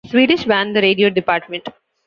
Swedish band The Radio Dept.